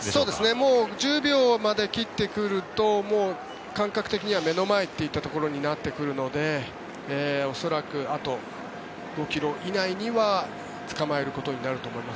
もう１０秒まで切ってくると感覚的には目の前といったところになってくるので恐らく、あと５ｋｍ以内にはつかまえることになると思います。